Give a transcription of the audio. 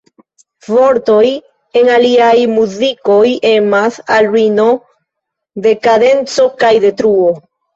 Vortoj en iliaj muzikoj emas al ruino, dekadenco kaj detruo.